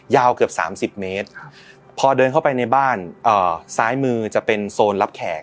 เกือบ๓๐เมตรพอเดินเข้าไปในบ้านซ้ายมือจะเป็นโซนรับแขก